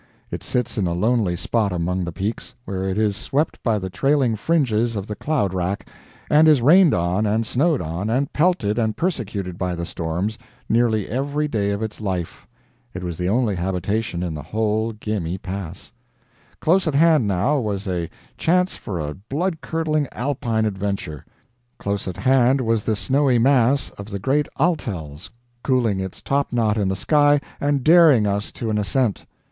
It sits in a lonely spot among the peaks, where it is swept by the trailing fringes of the cloud rack, and is rained on, and snowed on, and pelted and persecuted by the storms, nearly every day of its life. It was the only habitation in the whole Gemmi Pass. Close at hand, now, was a chance for a blood curdling Alpine adventure. Close at hand was the snowy mass of the Great Altels cooling its topknot in the sky and daring us to an ascent.